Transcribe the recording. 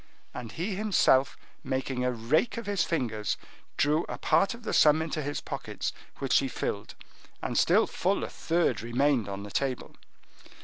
And he himself, making a rake of his fingers, drew a part of the sum into his pockets, which he filled, and still full a third remained on the table.